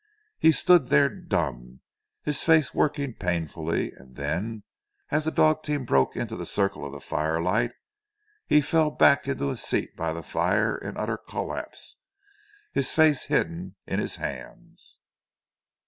He stood there dumb, his face working painfully, and then, as the dog team broke into the circle of the firelight, he fell back into his seat by the fire in utter collapse, his face hidden in his hands.